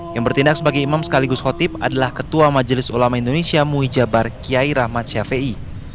yang bertindak sebagai imam sekaligus khotib adalah ketua majelis ulama indonesia muhyijabar kiai rahmat syafiei